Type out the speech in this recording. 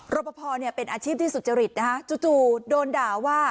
ปภเป็นอาชีพที่สุจริตนะคะจู่โดนด่าว่า